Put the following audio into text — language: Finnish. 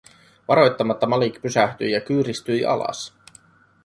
Varoittamatta Malik pysähtyi ja kyyristyi alas.